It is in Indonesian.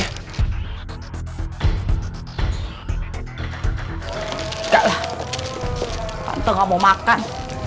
enggak lah tante gak mau makan